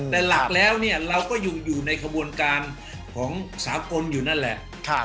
แต่หลักแล้วเนี่ยเราก็อยู่ในขบวนการของสากลอยู่นั่นแหละ